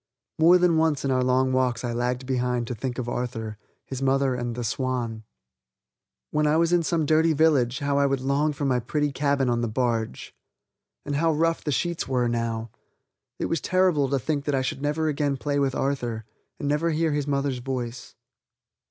More than once in our long walks I lagged behind to think of Arthur, his mother, and the Swan. When I was in some dirty village how I would long for my pretty cabin on the barge. And how rough the sheets were now. It was terrible to think that I should never again play with Arthur, and never hear his mother's voice.